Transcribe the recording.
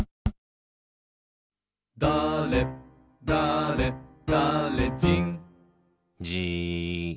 「だれだれだれじん」じーっ。